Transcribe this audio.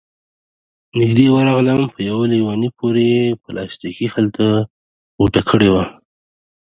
نږدې ورغلم، په يوه ليوني پورې يې پلاستيکي خلطه غوټه کړې وه،